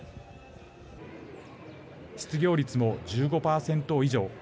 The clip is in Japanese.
失業率も１５％以上。